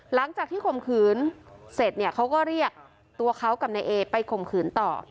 ข่มขืนเสร็จเนี่ยเขาก็เรียกตัวเขากับนายเอไปข่มขืนต่อ